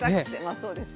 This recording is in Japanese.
そうですね。